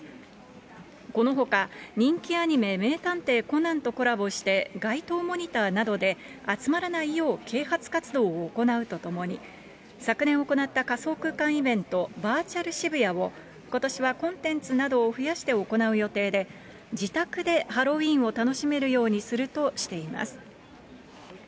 このほか、人気アニメ、名探偵コナンとコラボして街頭モニターなどで、集まらないよう啓発活動を行うとともに、昨年行った仮装空間イベント、バーチャル渋谷を、ことしはコンテンツなどを増やして行う予定で、自宅でハロウィーンを楽しめるようにするとしています。